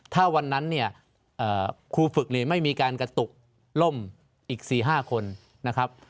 ถ้าวันนั้นเนี่ยครูฝึกไม่มีการกระตุกร่มอีก๔๕คนนะครับ